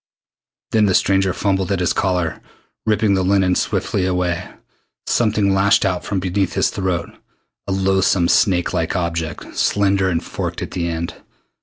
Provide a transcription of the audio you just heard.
Then the stranger fumbled at his collar, ripping the linen swiftly away. Something lashed out from beneath his throat a loathsome snake like object, slender and forked at the end.